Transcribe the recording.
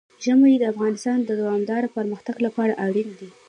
ژمی د افغانستان د دوامداره پرمختګ لپاره اړین دي.